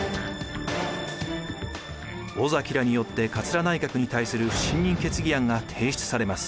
尾崎らによって桂内閣に対する不信任決議案が提出されます。